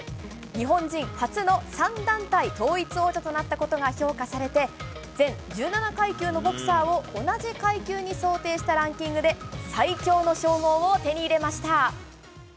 日本人初の３団体統一王者となったことが評価され、全１７階級のボクサーを同じ階級に想定したランキングで最強の称号を手に入れました。